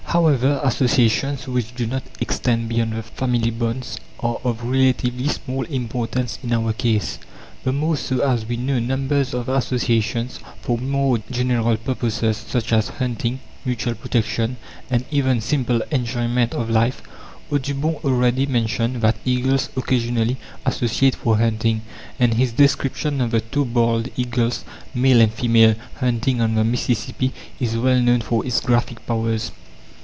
However, associations which do not extend beyond the family bonds are of relatively small importance in our case, the more so as we know numbers of associations for more general purposes, such as hunting, mutual protection, and even simple enjoyment of life. Audubon already mentioned that eagles occasionally associate for hunting, and his description of the two bald eagles, male and female, hunting on the Mississippi, is well known for its graphic powers.